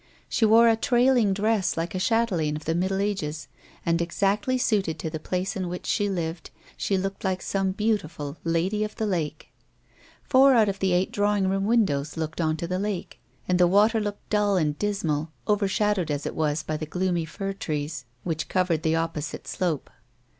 She wore a trailing dress like a chS,telaine of the middle ages, and, exactly suited to the place in which she lived, she looked like some beautiful Lady of the Lake. Four out of the eight drawing room windows looked on to the lake, and the water looked dull and dismal, over shadowed as it was by the gloomy fir trees which covered the opposite slope.